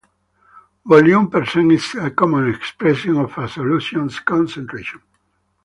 Volume percent is a common expression of a solution's concentration.